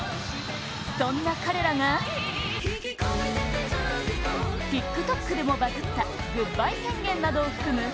そんな彼らがＴｉｋＴｏｋでもバズった「グッバイ宣言」などを含む